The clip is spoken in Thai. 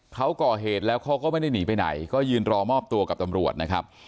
เขาก่อเหตุแล้วเขาก็ไม่ได้หนีไปไหนก็ยืนรอมอบตัวกับตำรวจนะครับ